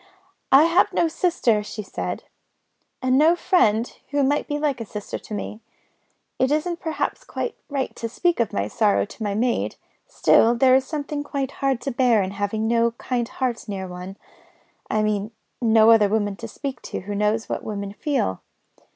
"I have no sister," she said, "and no friend who might be like a sister to me. It isn't perhaps quite right to speak of my sorrow to my maid. Still, there is something hard to bear in having no kind heart near one I mean, no other woman to speak to who knows what women feel.